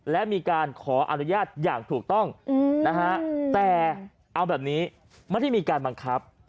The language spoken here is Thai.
และมีการขออนุญาตอย่างถูกต้องนะฮะแต่เอาแบบนี้ไม่ได้มีการบังคับ